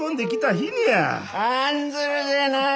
案ずるでない！